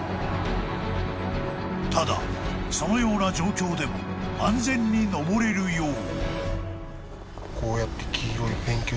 ［ただそのような状況でも安全に登れるよう］